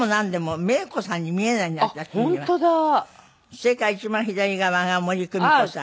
それから一番左側が森公美子さん。